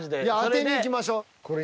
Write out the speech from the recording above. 当てにいきましょ。